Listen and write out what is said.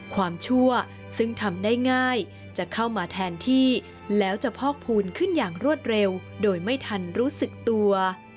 ชั่วซึ่งทำได้ง่ายจะเข้ามาแทนที่แล้วจะพอกพูนขึ้นอย่างรวดเร็วโดยไม่ทันรู้สึกตัว